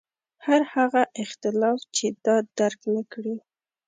هر هغه اختلاف چې دا درک نکړي.